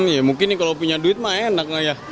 ya mungkin nih kalau punya duit mah enak lah ya